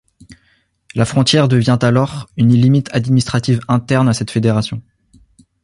La frontière devient alors une limite administrative interne à cette fédération.